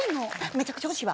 めちゃくちゃ欲しいわ。